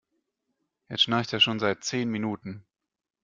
Jetzt schnarcht er schon seit zehn Minuten.